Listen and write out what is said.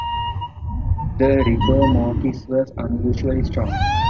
The "rigor mortis" was unusually strong.